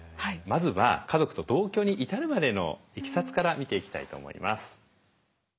まずは家族と同居に至るまでのいきさつから見ていきたいと思います。